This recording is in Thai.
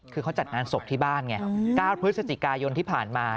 คือเขาจัดงานศพที่บ้านไง๙พฤศจิกายนที่ผ่านมา